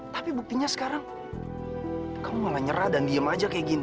tapi buktinya sekarang kamu malah nyerah dan diem aja kayak gini